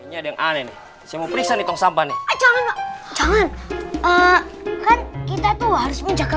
ini ada yang aneh semua periksaan itu sampai nih jangan jangan kan kita tuh harus menjaga